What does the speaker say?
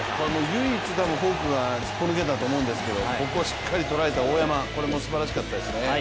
唯一、フォークがすっぽ抜けたと思うんですけどここはしっかりとらえた大山、これはすばらしかったですね。